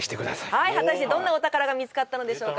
はい果たしてどんなお宝が見つかったのでしょうか？